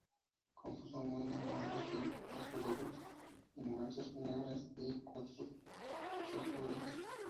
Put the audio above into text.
Compuso un buen número de pasodobles y marchas fúnebres y cuatro zarzuelas.